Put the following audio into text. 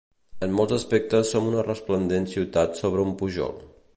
En molts aspectes som una resplendent ciutat sobre un pujol.